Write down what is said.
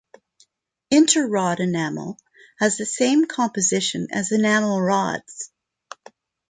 Interrod enamel has the same composition as enamel rods.